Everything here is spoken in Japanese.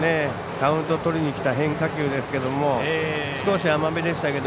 カウントをとりにきた変化球ですけれども少し甘めでしたけど